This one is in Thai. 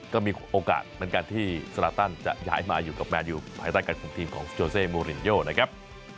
ก็มีโอกาสเหมือนกันที่สลาตันจะย้ายมาอยู่กับแมนยูภายใต้การคุมทีมของสโจเซมูลินโยนะครับ